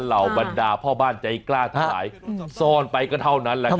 เหล่าบรรดาพ่อบ้านใจกล้าทั้งหลายซ่อนไปก็เท่านั้นแหละครับ